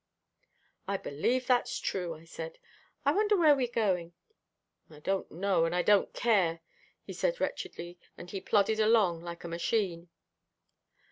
"I believe that's true," I said. "I wonder where we're going." "I don't know, and I don't care," he said wretchedly, and he plodded along like a machine.